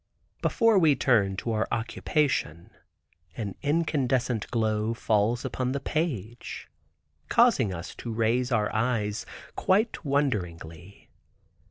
Before we turn to our occupation, an incandescent glow falls upon the page, causing us to raise our eyes quite wonderingly.